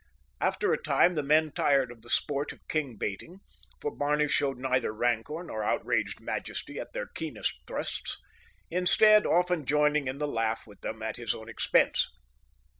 After a time the men tired of the sport of king baiting, for Barney showed neither rancor nor outraged majesty at their keenest thrusts, instead, often joining in the laugh with them at his own expense.